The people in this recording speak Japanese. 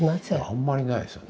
あんまいないですよね。